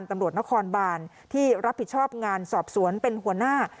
ตำรวจนครบานที่รับผิดชอบงานสอบสวนเป็นหัวหน้า